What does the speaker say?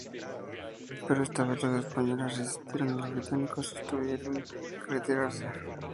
Pero esta vez los españoles resistieron y los británicos tuvieron que retirarse.